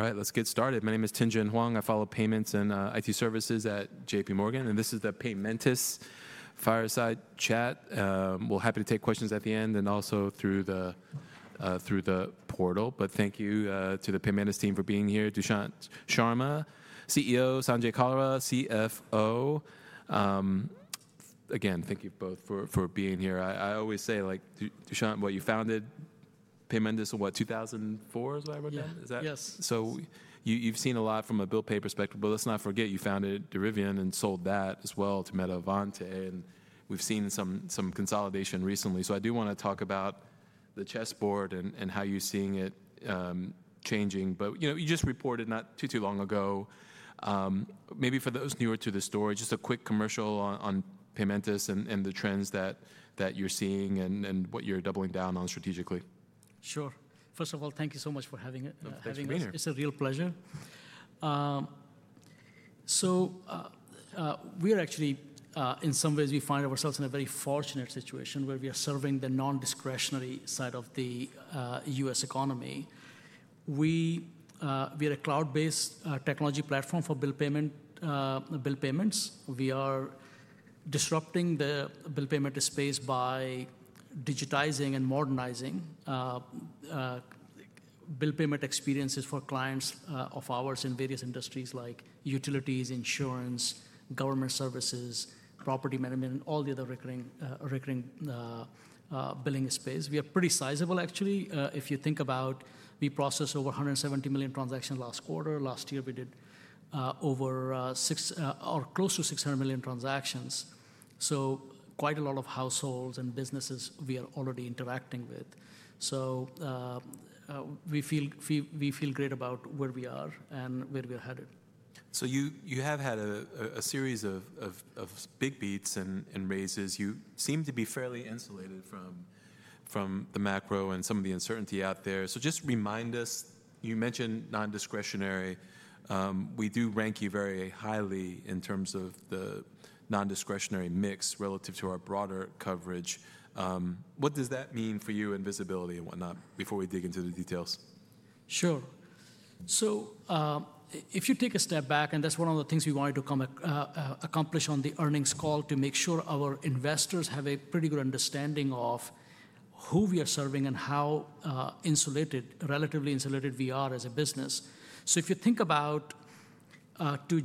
All right, let's get started. My name is Tin Jun Huang. I follow payments and IT services at J.P. Morgan, and this is the Paymentus fireside chat. We're happy to take questions at the end and also through the portal. Thank you to the Paymentus team for being here. Dushyant Sharma, CEO, Sanjay Kalra, CFO. Again, thank you both for being here. I always say, like, Dushyant, what, you founded Paymentus in, what, 2004, is what I read? Yeah. Is that? Yes. You've seen a lot from a bill pay perspective, but let's not forget you founded Derivion and sold that as well to Metavante, and we've seen some consolidation recently. I do want to talk about the chessboard and how you're seeing it changing. You just reported not too, too long ago. Maybe for those newer to the story, just a quick commercial on Paymentus and the trends that you're seeing and what you're doubling down on strategically. Sure. First of all, thank you so much for having us. Nice to be here. It's a real pleasure. We are actually, in some ways, we find ourselves in a very fortunate situation where we are serving the non-discretionary side of the U.S. economy. We are a cloud-based technology platform for bill payments. We are disrupting the bill payment space by digitizing and modernizing bill payment experiences for clients of ours in various industries like utilities, insurance, government services, property management, and all the other recurring billing space. We are pretty sizable, actually. If you think about, we processed over 170 million transactions last quarter. Last year, we did over 600 or close to 600 million transactions. Quite a lot of households and businesses we are already interacting with. We feel great about where we are and where we are headed. You have had a series of big beats and raises. You seem to be fairly insulated from the macro and some of the uncertainty out there. Just remind us, you mentioned non-discretionary. We do rank you very highly in terms of the non-discretionary mix relative to our broader coverage. What does that mean for you and visibility and whatnot before we dig into the details? Sure. If you take a step back, and that's one of the things we wanted to accomplish on the earnings call to make sure our investors have a pretty good understanding of who we are serving and how insulated, relatively insulated, we are as a business. If you think about,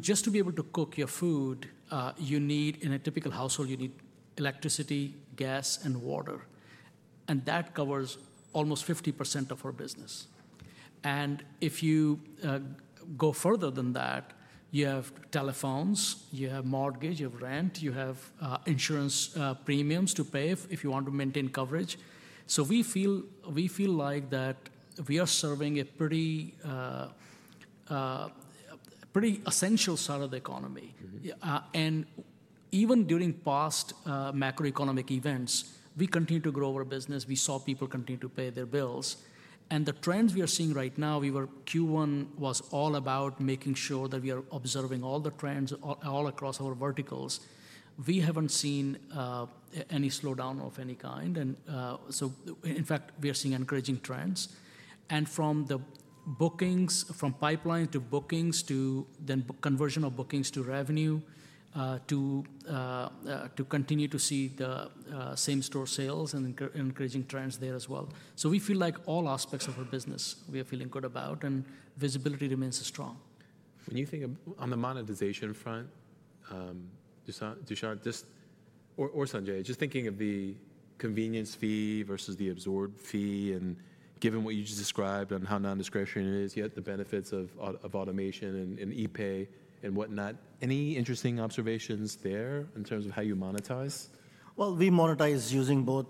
just to be able to cook your food, you need, in a typical household, you need electricity, gas, and water. That covers almost 50% of our business. If you go further than that, you have telephones, you have mortgage, you have rent, you have insurance premiums to pay if you want to maintain coverage. We feel like we are serving a pretty essential side of the economy. Even during past macroeconomic events, we continue to grow our business. We saw people continue to pay their bills. The trends we are seeing right now, Q1 was all about making sure that we are observing all the trends all across our verticals. We have not seen any slowdown of any kind. In fact, we are seeing encouraging trends. From the pipeline to bookings to then conversion of bookings to revenue, we continue to see the same store sales and encouraging trends there as well. We feel like all aspects of our business we are feeling good about, and visibility remains strong. When you think on the monetization front, Dushyant, or Sanjay, just thinking of the convenience fee versus the absorbed fee, and given what you just described on how non-discretionary it is, yet the benefits of automation and ePay and whatnot, any interesting observations there in terms of how you monetize? We monetize using both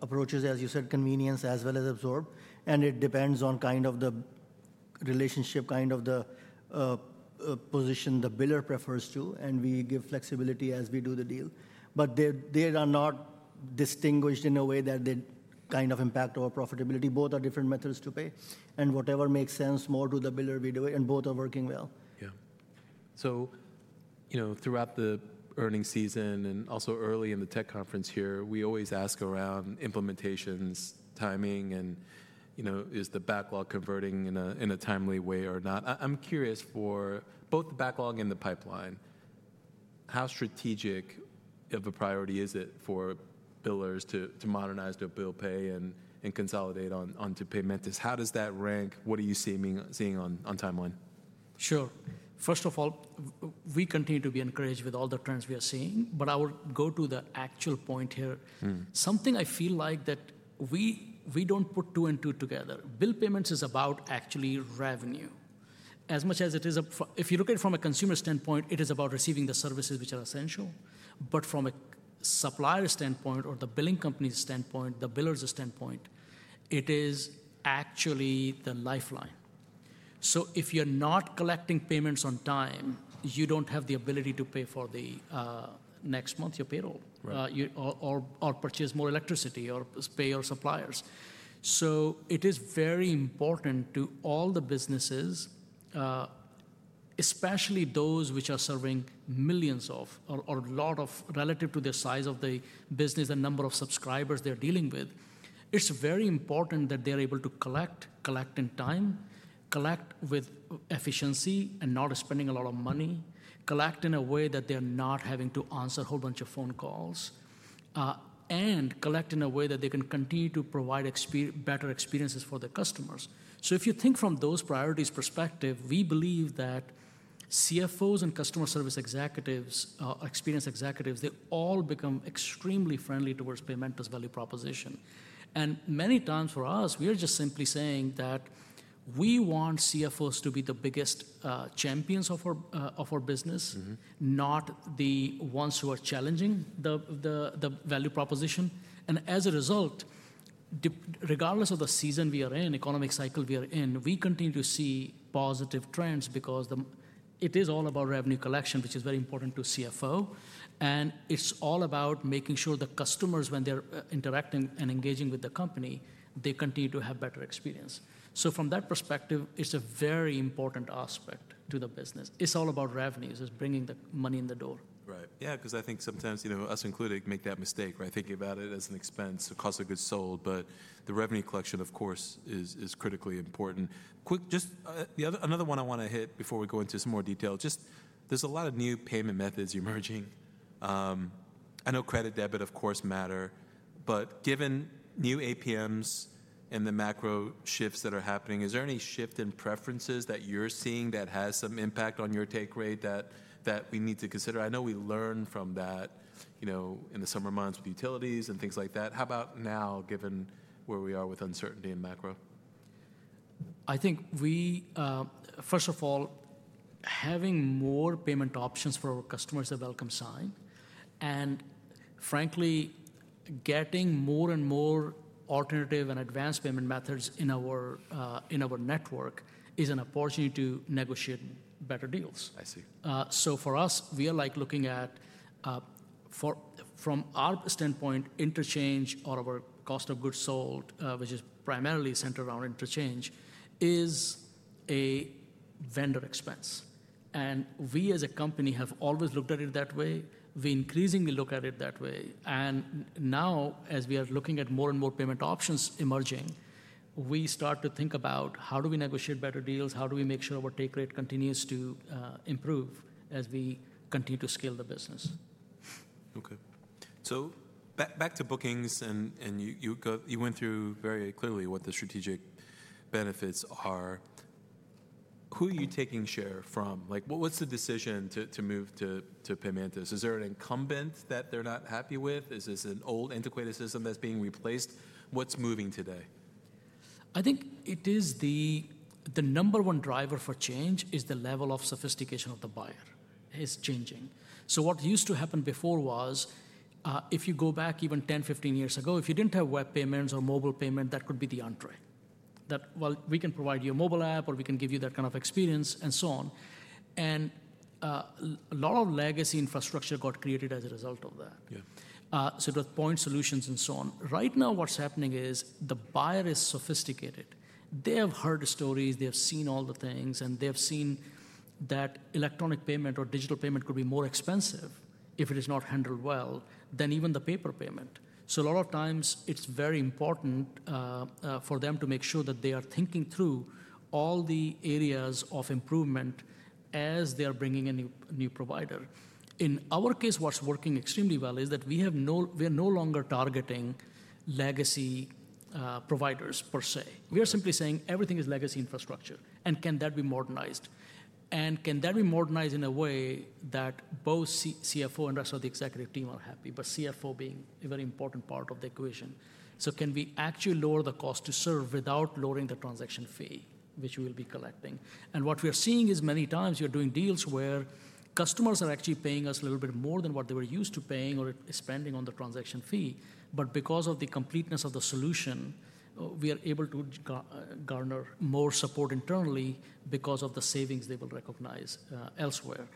approaches, as you said, convenience as well as absorbed. It depends on kind of the relationship, kind of the position the biller prefers to, and we give flexibility as we do the deal. They are not distinguished in a way that they kind of impact our profitability. Both are different methods to pay. Whatever makes sense more to the biller we do it, and both are working well. Yeah. Throughout the earnings season and also early in the tech conference here, we always ask around implementations, timing, and is the backlog converting in a timely way or not. I'm curious for both the backlog and the pipeline, how strategic of a priority is it for billers to modernize their bill pay and consolidate onto Paymentus? How does that rank? What are you seeing on timeline? Sure. First of all, we continue to be encouraged with all the trends we are seeing. I will go to the actual point here. Something I feel like that we do not put two and two together. Bill payments is about actually revenue. As much as it is, if you look at it from a consumer standpoint, it is about receiving the services which are essential. From a supplier standpoint or the billing company's standpoint, the biller's standpoint, it is actually the lifeline. If you are not collecting payments on time, you do not have the ability to pay for the next month your payroll or purchase more electricity or pay your suppliers. It is very important to all the businesses, especially those which are serving millions of or a lot of relative to the size of the business and number of subscribers they are dealing with. It's very important that they're able to collect, collect in time, collect with efficiency and not spending a lot of money, collect in a way that they're not having to answer a whole bunch of phone calls, and collect in a way that they can continue to provide better experiences for their customers. If you think from those priorities perspective, we believe that CFOs and customer service executives, experience executives, they all become extremely friendly towards Paymentus' value proposition. Many times for us, we are just simply saying that we want CFOs to be the biggest champions of our business, not the ones who are challenging the value proposition. As a result, regardless of the season we are in, economic cycle we are in, we continue to see positive trends because it is all about revenue collection, which is very important to CFO. It is all about making sure the customers, when they're interacting and engaging with the company, they continue to have better experience. From that perspective, it is a very important aspect to the business. It is all about revenues. It is bringing the money in the door. Right. Yeah, because I think sometimes us included make that mistake, right, thinking about it as an expense, a cost of goods sold. The revenue collection, of course, is critically important. Just another one I want to hit before we go into some more detail. There are a lot of new payment methods emerging. I know credit and debit, of course, matter. Given new APMs and the macro shifts that are happening, is there any shift in preferences that you're seeing that has some impact on your take rate that we need to consider? I know we learned from that in the summer months with utilities and things like that. How about now, given where we are with uncertainty in macro? I think we, first of all, having more payment options for our customers is a welcome sign. Frankly, getting more and more alternative and advanced payment methods in our network is an opportunity to negotiate better deals. I see. For us, we are like looking at, from our standpoint, interchange or our cost of goods sold, which is primarily centered around interchange, is a vendor expense. We as a company have always looked at it that way. We increasingly look at it that way. Now, as we are looking at more and more payment options emerging, we start to think about how do we negotiate better deals, how do we make sure our take rate continues to improve as we continue to scale the business. Okay. Back to bookings, and you went through very clearly what the strategic benefits are. Who are you taking share from? What's the decision to move to Paymentus? Is there an incumbent that they're not happy with? Is this an old antiquated system that's being replaced? What's moving today? I think it is the number one driver for change is the level of sophistication of the buyer is changing. What used to happen before was, if you go back even 10-15 years ago, if you did not have web payments or mobile payment, that could be the entree. That while we can provide you a mobile app, or we can give you that kind of experience and so on. A lot of legacy infrastructure got created as a result of that. It was point solutions and so on. Right now, what is happening is the buyer is sophisticated. They have heard the stories. They have seen all the things. They have seen that electronic payment or digital payment could be more expensive if it is not handled well than even the paper payment. A lot of times, it's very important for them to make sure that they are thinking through all the areas of improvement as they are bringing a new provider. In our case, what's working extremely well is that we are no longer targeting legacy providers, per se. We are simply saying everything is legacy infrastructure. Can that be modernized? Can that be modernized in a way that both CFO and rest of the executive team are happy, CFO being a very important part of the equation? Can we actually lower the cost to serve without lowering the transaction fee, which we will be collecting? What we are seeing is many times you're doing deals where customers are actually paying us a little bit more than what they were used to paying or spending on the transaction fee. Because of the completeness of the solution, we are able to garner more support internally because of the savings they will recognize elsewhere.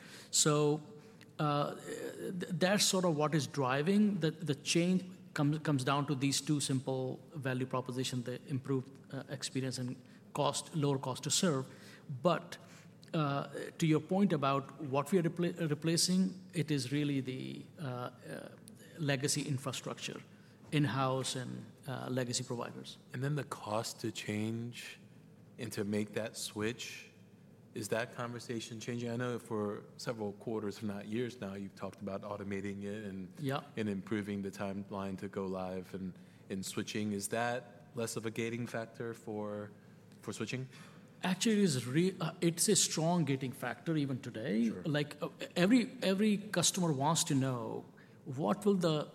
That is sort of what is driving the change. It comes down to these two simple value propositions, the improved experience and lower cost to serve. To your point about what we are replacing, it is really the legacy infrastructure, in-house and legacy providers. The cost to change and to make that switch, is that conversation changing? I know for several quarters, if not years now, you've talked about automating it and improving the timeline to go live and switching. Is that less of a gating factor for switching? Actually, it's a strong gating factor even today. Every customer wants to know what will the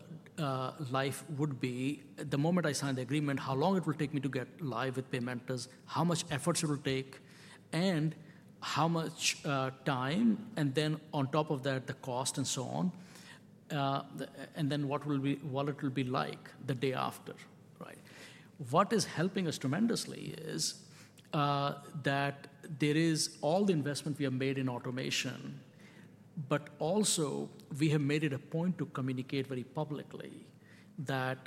life be the moment I sign the agreement, how long it will take me to get live with Paymentus, how much effort it will take, and how much time, and then on top of that, the cost and so on, and then what it will be like the day after, right? What is helping us tremendously is that there is all the investment we have made in automation, but also we have made it a point to communicate very publicly that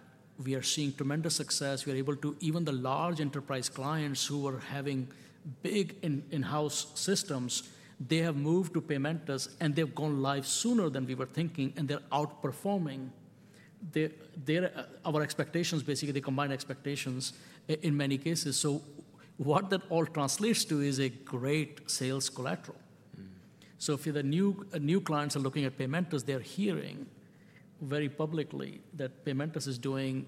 we are seeing tremendous success. We are able to, even the large enterprise clients who are having big in-house systems, they have moved to Paymentus, and they've gone live sooner than we were thinking, and they're outperforming our expectations, basically the combined expectations in many cases. What that all translates to is a great sales collateral. If the new clients are looking at Paymentus, they're hearing very publicly that Paymentus is doing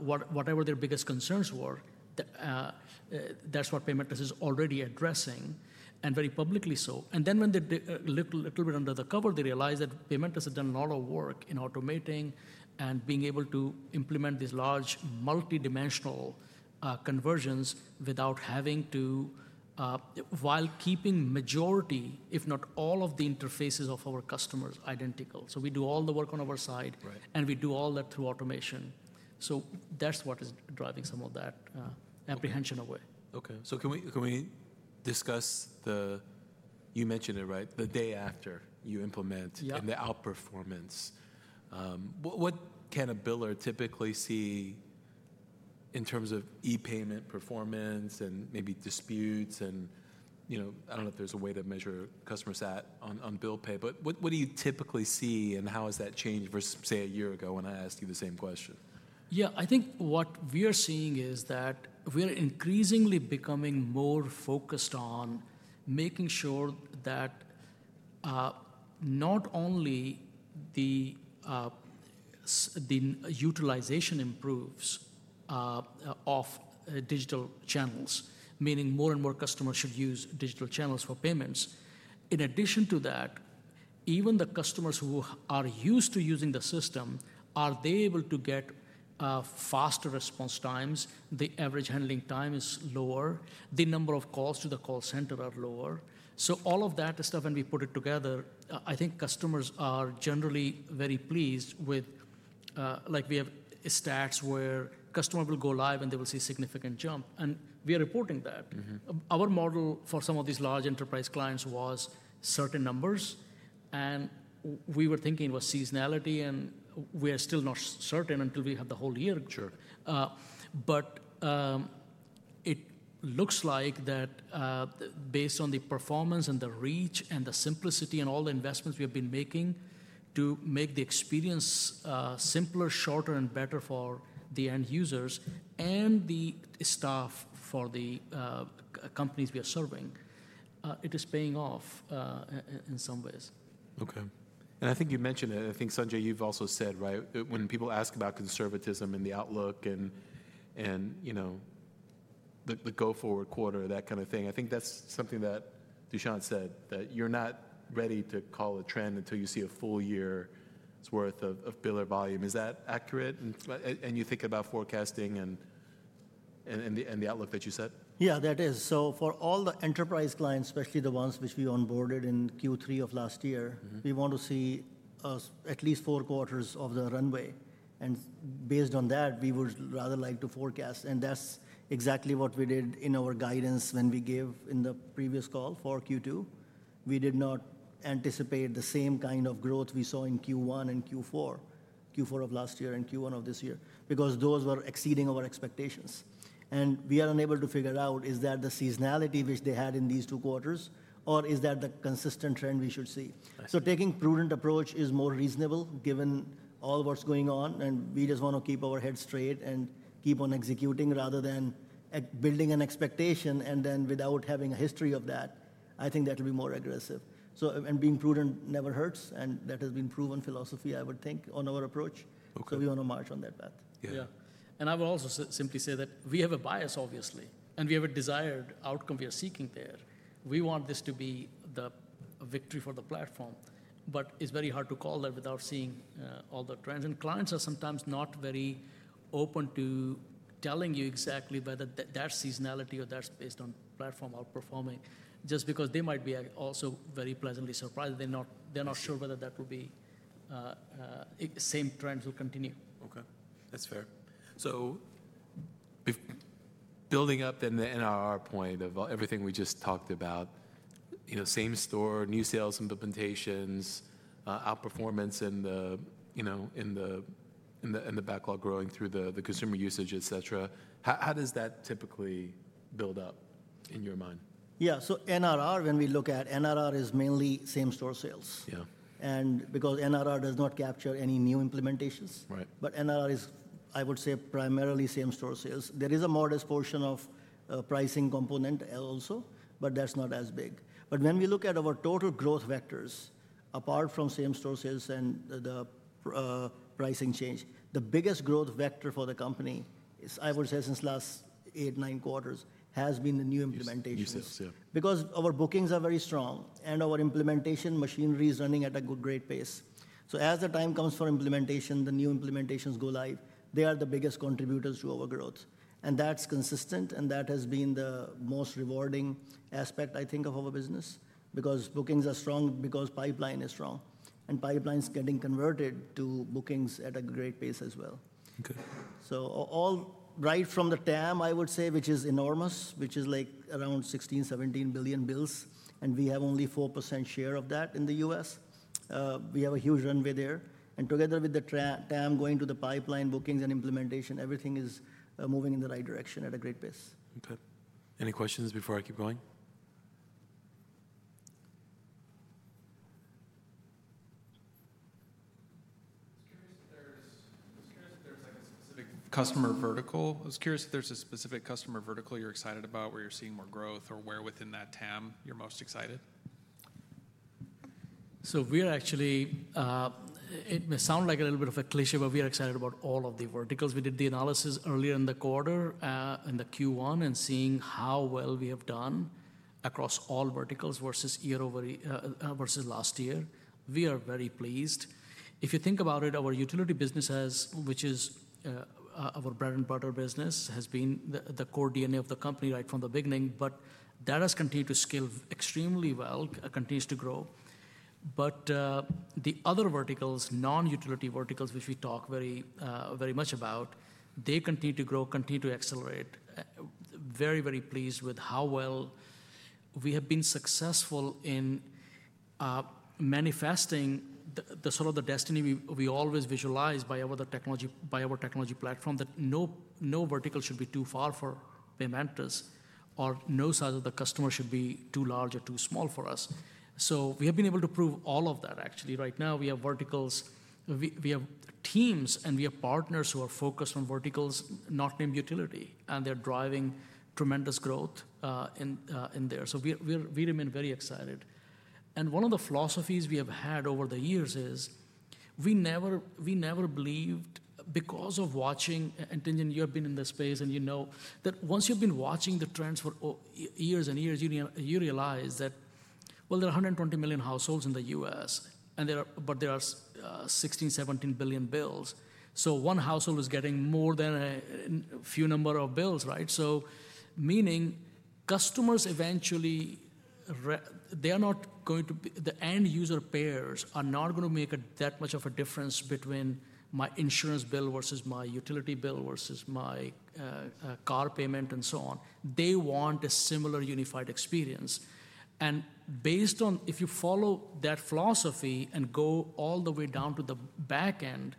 whatever their biggest concerns were. That's what Paymentus is already addressing, and very publicly so. Then when they look a little bit under the cover, they realize that Paymentus has done a lot of work in automating and being able to implement these large multidimensional conversions without having to, while keeping majority, if not all, of the interfaces of our customers identical. We do all the work on our side, and we do all that through automation. That is what is driving some of that apprehension away. Okay. Can we discuss the, you mentioned it, right, the day after you implement and the outperformance? What can a biller typically see in terms of ePayment performance and maybe disputes? I do not know if there is a way to measure customers' sat on bill pay, but what do you typically see, and how has that changed versus, say, a year ago when I asked you the same question? Yeah, I think what we are seeing is that we are increasingly becoming more focused on making sure that not only the utilization improves of digital channels, meaning more and more customers should use digital channels for payments. In addition to that, even the customers who are used to using the system, are they able to get faster response times? The average handling time is lower. The number of calls to the call center are lower. All of that stuff, when we put it together, I think customers are generally very pleased with, like we have stats where customers will go live and they will see a significant jump. We are reporting that. Our model for some of these large enterprise clients was certain numbers. We were thinking it was seasonality, and we are still not certain until we have the whole year. It looks like that based on the performance and the reach and the simplicity and all the investments we have been making to make the experience simpler, shorter, and better for the end users and the staff for the companies we are serving, it is paying off in some ways. Okay. I think you mentioned it. I think, Sanjay, you've also said, right, when people ask about conservatism and the outlook and the go-forward quarter, that kind of thing, I think that's something that Dushyant said, that you're not ready to call a trend until you see a full year's worth of biller volume. Is that accurate? You think about forecasting and the outlook that you said? Yeah, that is. For all the enterprise clients, especially the ones which we onboarded in Q3 of last year, we want to see at least four quarters of the runway. Based on that, we would rather like to forecast. That's exactly what we did in our guidance when we gave in the previous call for Q2. We did not anticipate the same kind of growth we saw in Q1 and Q4, Q4 of last year and Q1 of this year, because those were exceeding our expectations. We are unable to figure out, is that the seasonality which they had in these two quarters, or is that the consistent trend we should see? Taking a prudent approach is more reasonable given all what's going on. We just want to keep our head straight and keep on executing rather than building an expectation. Without having a history of that, I think that will be more aggressive. Being prudent never hurts. That has been proven philosophy, I would think, on our approach. We want to march on that path. Yeah. I will also simply say that we have a bias, obviously, and we have a desired outcome we are seeking there. We want this to be the victory for the platform. It is very hard to call that without seeing all the trends. Clients are sometimes not very open to telling you exactly whether that is seasonality or that is based on platform outperforming, just because they might be also very pleasantly surprised. They are not sure whether the same trends will continue. Okay. That's fair. Building up in the NRR point of everything we just talked about, same store, new sales implementations, outperformance in the backlog growing through the consumer usage, et cetera, how does that typically build up in your mind? Yeah. NRR, when we look at NRR, is mainly same store sales. Because NRR does not capture any new implementations, but NRR is, I would say, primarily same store sales. There is a modest portion of pricing component also, but that's not as big. When we look at our total growth vectors, apart from same store sales and the pricing change, the biggest growth vector for the company, I would say since the last eight-nine quarters, has been the new implementations. Our bookings are very strong, and our implementation machinery is running at a good rate pace. As the time comes for implementation, the new implementations go live, they are the biggest contributors to our growth. That's consistent. That has been the most rewarding aspect, I think, of our business, because bookings are strong, because pipeline is strong. Pipeline is getting converted to bookings at a great pace as well. All right from the TAM, I would say, which is enormous, which is like around 16-17 billion bills, and we have only 4% share of that in the U.S. We have a huge runway there. Together with the TAM going to the pipeline, bookings, and implementation, everything is moving in the right direction at a great pace. Okay. Any questions before I keep going? I was curious if there's like a specific customer vertical. I was curious if there's a specific customer vertical you're excited about where you're seeing more growth or where within that TAM you're most excited? We are actually, it may sound like a little bit of a cliché, but we are excited about all of the verticals. We did the analysis earlier in the quarter, in Q1, and seeing how well we have done across all verticals versus last year. We are very pleased. If you think about it, our utility business, which is our bread and butter business, has been the core DNA of the company right from the beginning. That has continued to scale extremely well, continues to grow. The other verticals, non-utility verticals, which we talk very much about, they continue to grow, continue to accelerate. Very, very pleased with how well we have been successful in manifesting the sort of destiny we always visualize by our technology platform, that no vertical should be too far for Paymentus or no size of the customer should be too large or too small for us. We have been able to prove all of that, actually. Right now, we have verticals, we have teams, and we have partners who are focused on verticals, not named utility. They are driving tremendous growth in there. We remain very excited. One of the philosophies we have had over the years is we never believed because of watching, and Tin Jun, you have been in this space, and you know that once you have been watching the trends for years and years, you realize that, well, there are 120 million households in the U.S., but there are 16-17 billion bills. One household is getting more than a few number of bills, right? Meaning customers eventually, they are not going to, the end user payers are not going to make that much of a difference between my insurance bill versus my utility bill versus my car payment and so on. They want a similar unified experience. Based on, if you follow that philosophy and go all the way down to the back end,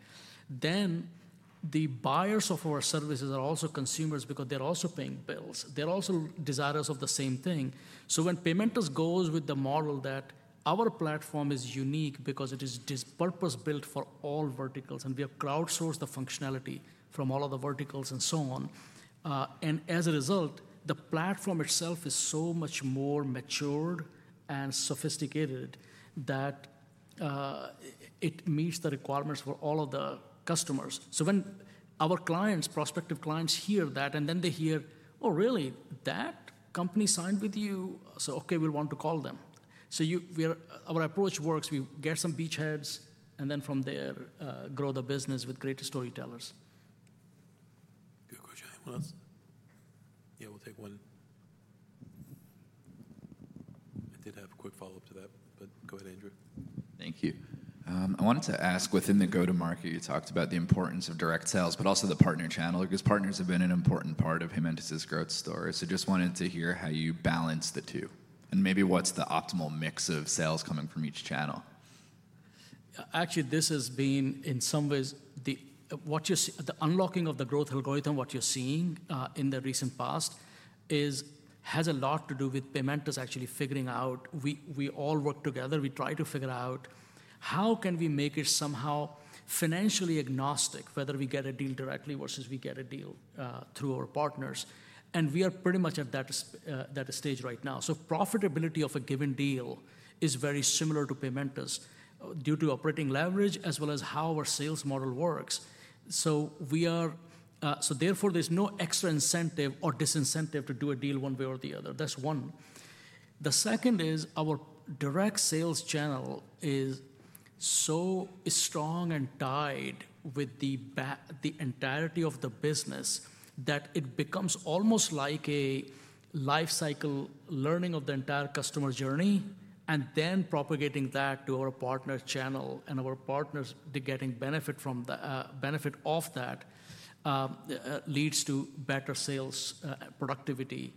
then the buyers of our services are also consumers because they're also paying bills. They're also desirous of the same thing. When Paymentus goes with the model that our platform is unique because it is purpose-built for all verticals, and we have crowdsourced the functionality from all of the verticals and so on. As a result, the platform itself is so much more matured and sophisticated that it meets the requirements for all of the customers. When our clients, prospective clients hear that, and then they hear, "Oh, really? That company signed with you?" Okay, we'll want to call them. Our approach works. We get some beachheads, and then from there, grow the business with greater storytellers. Good question. Yeah, we'll take one. I did have a quick follow-up to that, but go ahead, Andrew. Thank you. I wanted to ask, within the go-to-market, you talked about the importance of direct sales, but also the partner channel, because partners have been an important part of Paymentus' growth story. Just wanted to hear how you balance the two, and maybe what's the optimal mix of sales coming from each channel? Actually, this has been in some ways, the unlocking of the growth algorithm. What you're seeing in the recent past has a lot to do with Paymentus actually figuring out, we all work together, we try to figure out how can we make it somehow financially agnostic, whether we get a deal directly versus we get a deal through our partners. We are pretty much at that stage right now. Profitability of a given deal is very similar to Paymentus due to operating leverage as well as how our sales model works. Therefore, there's no extra incentive or disincentive to do a deal one way or the other. That's one. The second is our direct sales channel is so strong and tied with the entirety of the business that it becomes almost like a life cycle learning of the entire customer journey, and then propagating that to our partner channel. Our partners getting benefit of that leads to better sales productivity.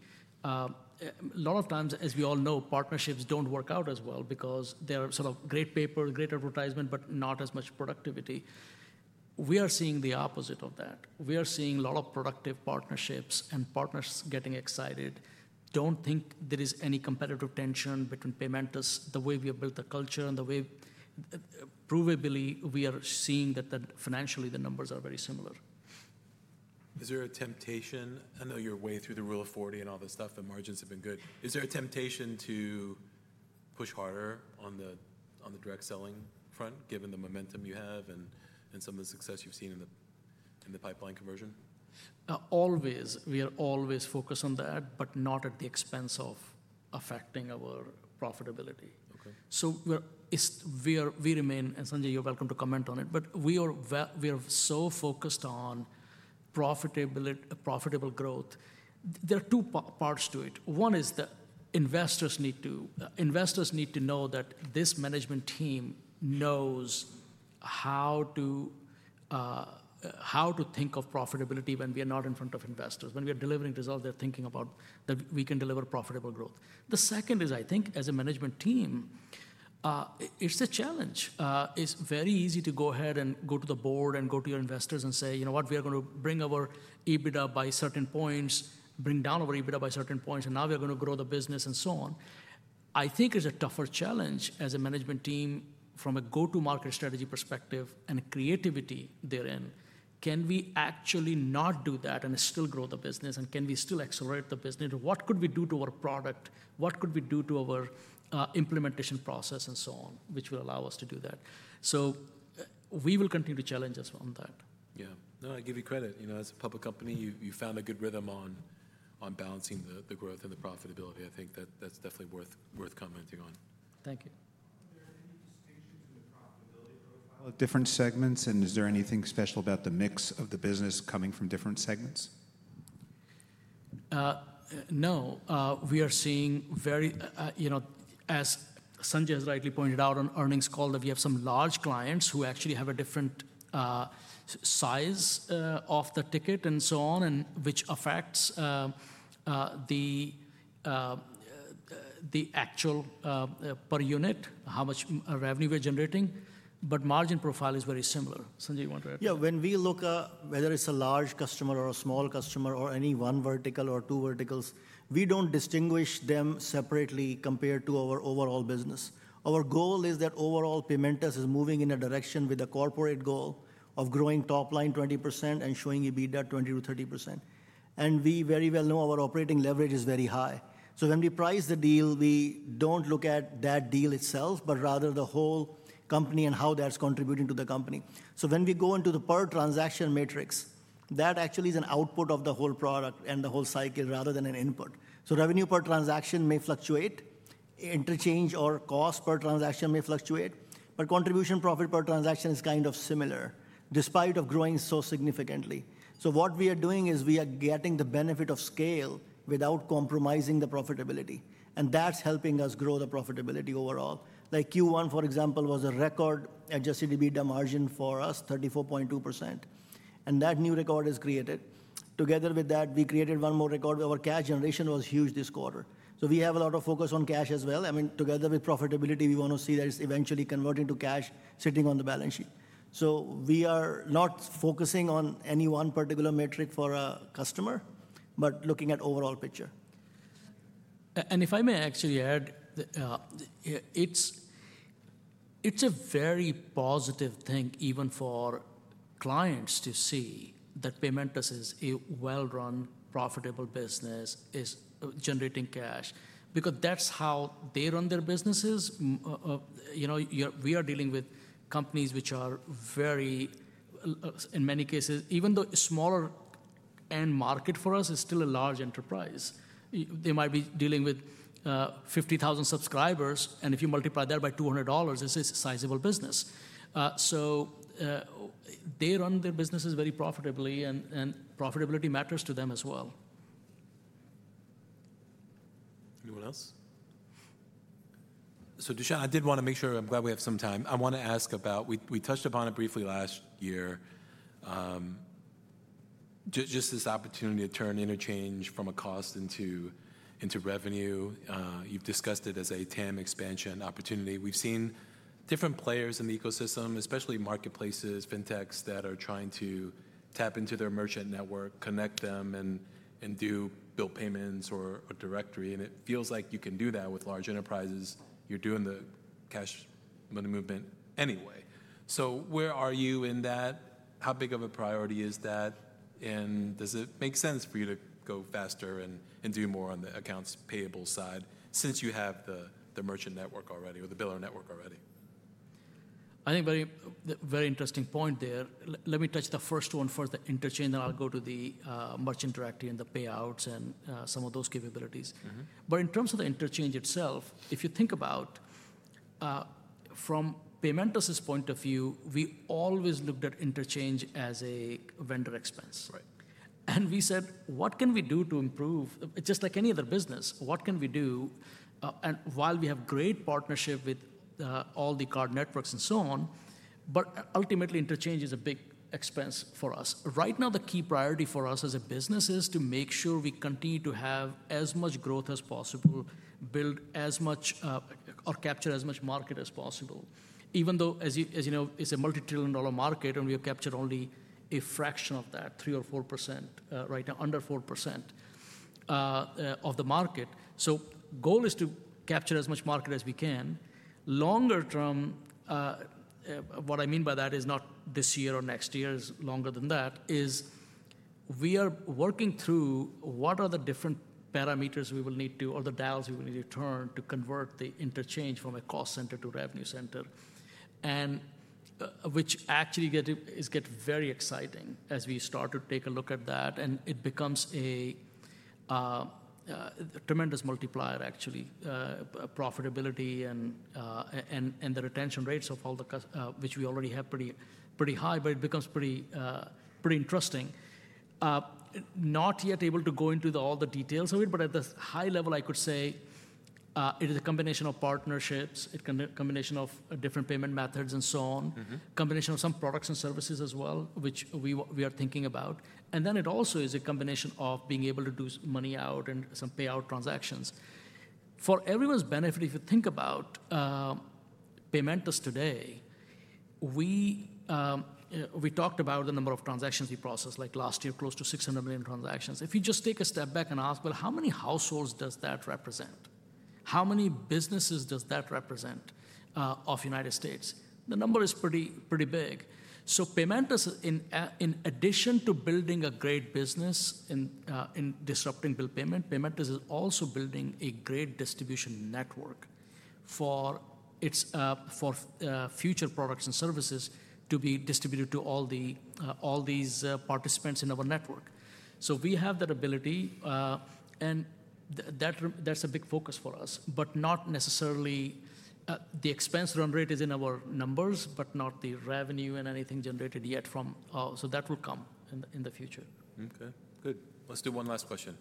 A lot of times, as we all know, partnerships do not work out as well because they are sort of great paper, great advertisement, but not as much productivity. We are seeing the opposite of that. We are seeing a lot of productive partnerships and partners getting excited. Do not think there is any competitive tension between Paymentus the way we have built the culture and the way provably we are seeing that financially the numbers are very similar. Is there a temptation? I know you're way through the rule of 40 and all this stuff, but margins have been good. Is there a temptation to push harder on the direct selling front, given the momentum you have and some of the success you've seen in the pipeline conversion? Always. We are always focused on that, but not at the expense of affecting our profitability. We remain, and Sanjay, you're welcome to comment on it, but we are so focused on profitable growth. There are two parts to it. One is that investors need to know that this management team knows how to think of profitability when we are not in front of investors. When we are delivering results, they're thinking about that we can deliver profitable growth. The second is, I think, as a management team, it's a challenge. It's very easy to go ahead and go to the board and go to your investors and say, "You know what? We are going to bring our EBITDA by certain points, bring down our EBITDA by certain points, and now we're going to grow the business," and so on. I think it's a tougher challenge as a management team from a go-to-market strategy perspective and creativity therein. Can we actually not do that and still grow the business? Can we still accelerate the business? What could we do to our product? What could we do to our implementation process and so on, which will allow us to do that? We will continue to challenge us on that. Yeah. No, I give you credit. As a public company, you found a good rhythm on balancing the growth and the profitability. I think that's definitely worth commenting on. Thank you. Different segments, and is there anything special about the mix of the business coming from different segments? No. We are seeing very, as Sanjay has rightly pointed out on earnings call, that we have some large clients who actually have a different size of the ticket and so on, which affects the actual per unit, how much revenue we're generating. Margin profile is very similar. Sanjay, you want to add? Yeah. When we look at whether it's a large customer or a small customer or any one vertical or two verticals, we don't distinguish them separately compared to our overall business. Our goal is that overall Paymentus is moving in a direction with a corporate goal of growing top line 20% and showing EBITDA 20%-30%. We very well know our operating leverage is very high. When we price the deal, we don't look at that deal itself, but rather the whole company and how that's contributing to the company. When we go into the per transaction matrix, that actually is an output of the whole product and the whole cycle rather than an input. Revenue per transaction may fluctuate, interchange or cost per transaction may fluctuate, but contribution profit per transaction is kind of similar despite growing so significantly. What we are doing is we are getting the benefit of scale without compromising the profitability. That is helping us grow the profitability overall. Like Q1, for example, was a record adjusted EBITDA margin for us, 34.2%. That new record is created. Together with that, we created one more record. Our cash generation was huge this quarter. We have a lot of focus on cash as well. I mean, together with profitability, we want to see that it is eventually converting to cash sitting on the balance sheet. We are not focusing on any one particular metric for a customer, but looking at overall picture. If I may actually add, it's a very positive thing even for clients to see that Paymentus is a well-run, profitable business, is generating cash, because that's how they run their businesses. We are dealing with companies which are very, in many cases, even though a smaller end market for us is still a large enterprise. They might be dealing with 50,000 subscribers, and if you multiply that by $200, this is a sizable business. They run their businesses very profitably, and profitability matters to them as well. Anyone else? Dushyant, I did want to make sure I'm glad we have some time. I want to ask about, we touched upon it briefly last year, just this opportunity to turn interchange from a cost into revenue. You've discussed it as a TAM expansion opportunity. We've seen different players in the ecosystem, especially marketplaces, fintechs that are trying to tap into their merchant network, connect them, and build payments or directory. It feels like you can do that with large enterprises. You're doing the cash money movement anyway. Where are you in that? How big of a priority is that? Does it make sense for you to go faster and do more on the accounts payable side since you have the merchant network already or the billing network already? I think very interesting point there. Let me touch the first one for the interchange, then I'll go to the merchant directory and the payouts and some of those capabilities. In terms of the interchange itself, if you think about from Paymentus' point of view, we always looked at interchange as a vendor expense. We said, "What can we do to improve?" Just like any other business, what can we do while we have great partnership with all the card networks and so on? Ultimately, interchange is a big expense for us. Right now, the key priority for us as a business is to make sure we continue to have as much growth as possible, build as much or capture as much market as possible. Even though, as you know, it is a multi-trillion dollar market, and we have captured only a fraction of that, 3 or 4%, right now under 4% of the market. The goal is to capture as much market as we can. Longer term, what I mean by that is not this year or next year, it is longer than that, is we are working through what are the different parameters we will need to or the dials we will need to turn to convert the interchange from a cost center to a revenue center, which actually is getting very exciting as we start to take a look at that. It becomes a tremendous multiplier, actually, profitability and the retention rates of all the customers, which we already have pretty high, but it becomes pretty interesting. Not yet able to go into all the details of it, but at the high level, I could say it is a combination of partnerships, a combination of different payment methods and so on, a combination of some products and services as well, which we are thinking about. It also is a combination of being able to do money out and some payout transactions. For everyone's benefit, if you think about Paymentus today, we talked about the number of transactions we processed, like last year, close to 600 million transactions. If you just take a step back and ask, "How many households does that represent? How many businesses does that represent of the United States?" The number is pretty big. Paymentus, in addition to building a great business in disrupting bill payment, Paymentus is also building a great distribution network for future products and services to be distributed to all these participants in our network. We have that ability, and that's a big focus for us, but not necessarily the expense run rate is in our numbers, but not the revenue and anything generated yet from. That will come in the future. Okay. Good. Let's do one last question.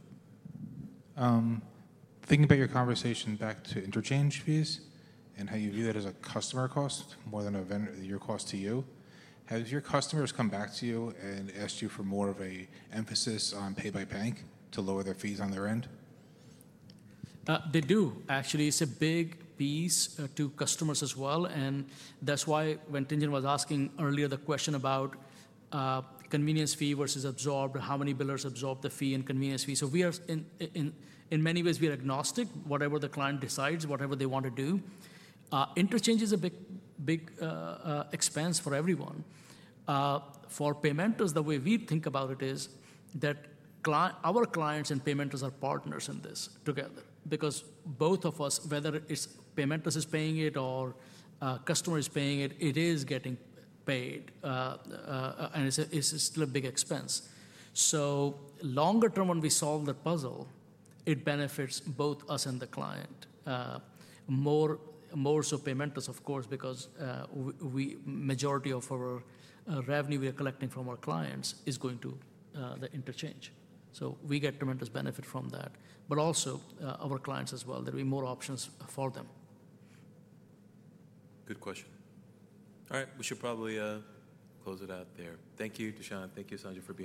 Thinking about your conversation back to interchange fees and how you view that as a customer cost more than your cost to you, have your customers come back to you and asked you for more of an emphasis on pay by bank to lower their fees on their end? They do, actually. It's a big piece to customers as well. That is why when Tin Jun was asking earlier the question about convenience fee versus absorbed, how many billers absorb the fee and convenience fee. In many ways, we are agnostic, whatever the client decides, whatever they want to do. Interchange is a big expense for everyone. For Paymentus, the way we think about it is that our clients and Paymentus are partners in this together, because both of us, whether it's Paymentus is paying it or a customer is paying it, it is getting paid, and it's still a big expense. Longer term, when we solve the puzzle, it benefits both us and the client. More so Paymentus, of course, because the majority of our revenue we are collecting from our clients is going to the interchange. We get tremendous benefit from that, but also our clients as well. There will be more options for them. Good question. All right. We should probably close it out there. Thank you, Dushyant. Thank you, Sanjay.